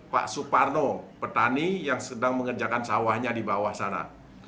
pak suparno petani yang sedang mengerjakan sawahnya di bawah sana